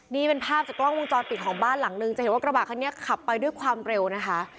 นี่เป็นภาพจากกล้องวงจรปิดของบ้านหลังนึงจะเห็นว่ากระบะคันนี้ขับไปด้วยความเร็วนะคะ